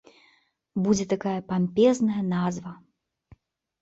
Будзе такая пампезная назва.